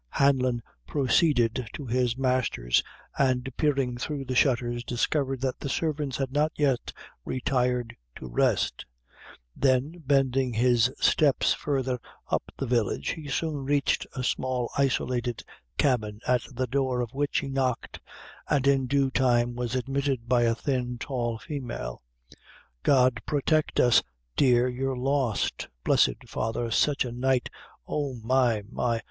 Hanlon proceeded to his master's, and peering through the shutters, discovered that the servants had not yet retired to rest; then bending his steps further up the village, he soon reached a small isolated cabin, at the door of which he knocked, and in due time was admitted by a thin, tall female. "God protect us, dear, you're lost! blessed father, sich a night! Oh! my, my!